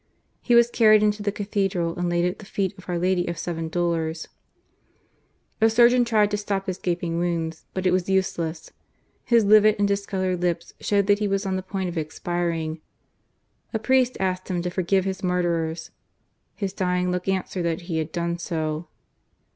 He was carried into the Cathedral and laid at the feet of Our Lady of Seven Dolours i THE ASSASSINATION. 301 A surgeon tried to stop his gaping wounds, but it was useless. His livid and discoloured lips showed that he was on the point of expiring. A priest asked him to forgive his murderers ; his dying look answered that he had done so.